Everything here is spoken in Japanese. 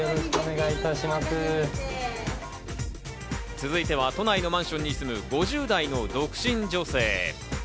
続いては都内のマンションに住む、５０代の独身女性。